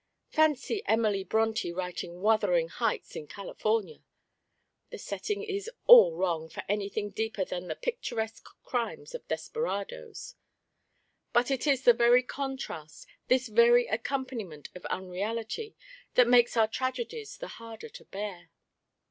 Fancy Emily Brontë writing 'Wuthering Heights' in California! The setting is all wrong for anything deeper than the picturesque crimes of desperadoes. But it is the very contrast, this very accompaniment of unreality, that makes our tragedies the harder to bear.